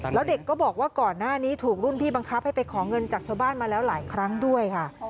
แล้วเด็กก็บอกว่าก่อนหน้านี้ถูกรุ่นพี่บังคับให้ไปขอเงินจากชาวบ้านมาแล้วหลายครั้งด้วยค่ะ